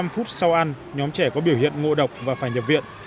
một mươi năm phút sau ăn nhóm trẻ có biểu hiện ngộ độc và phải nhập viện